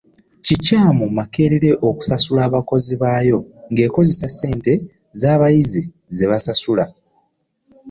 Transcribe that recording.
Kikyamu Makerere okusasula abakozi baayo ng'ekozesa ssente z'abaana ze basasula